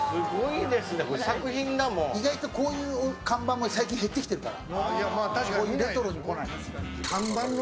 意外とこういう看板も最近減ってきてるから。